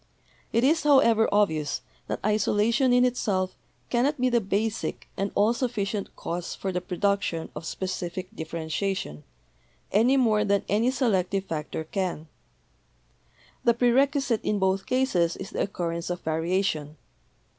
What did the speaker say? It is, however, obvious that isolation in itself cannot be the basic and all sufficient cause for the produc tion of specific differentiation, any more than any selective factor can. The prerequisite in both cases is the occur rence of variation.